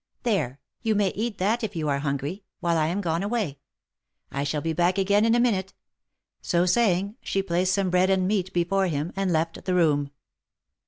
— There, you may eat that if you are hungry, OF MICHAEL ARMSTRONG. 63 while I am gone away — I shall be back again in a minute." So saying, she placed some bread and meat before him, and left the room.